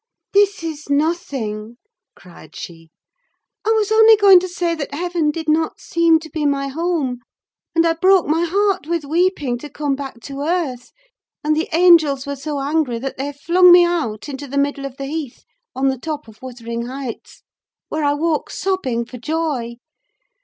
"This is nothing," cried she: "I was only going to say that heaven did not seem to be my home; and I broke my heart with weeping to come back to earth; and the angels were so angry that they flung me out into the middle of the heath on the top of Wuthering Heights; where I woke sobbing for joy.